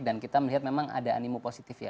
dan kita melihat memang ada animu positif ya